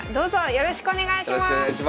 よろしくお願いします。